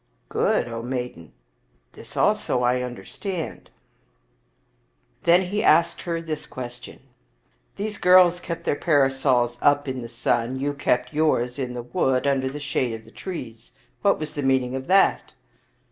" Good, O maidenj this also I understand." SI Oriental Mystery Stories Then he asked her this question :" These girls kept their parasols up in the sun ; you kept yours up in the wood under the shade of the trees. What was the meaning of that?"